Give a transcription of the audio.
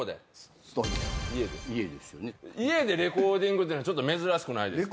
家でレコーディングっていうのはちょっと珍しくないですか？